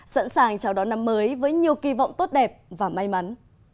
sẵn sàng chào đón năm mới với nhiều kỳ vọng tốt đẹp và may mắn